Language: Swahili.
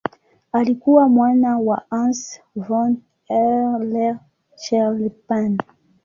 Alikuwa mwana wa Hans von Euler-Chelpin.